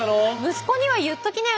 息子には言っときなよ